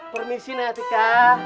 permisi neng atika